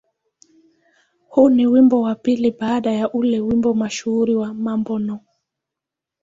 Huu ni wimbo wa pili baada ya ule wimbo mashuhuri wa "Mambo No.